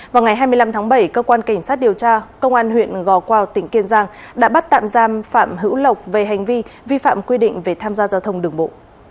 vào ngày hai mươi năm tháng bảy cơ quan cảnh sát điều tra công an huyện gò quao tỉnh kiên giang đã bắt tạm giam phạm hữu lộc về hành vi vi phạm quy định về tham gia giao thông đường bộ